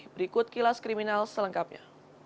berikut kilas kriminal selengkapnya